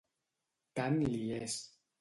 Tant li és.